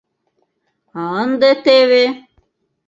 А ынде теве...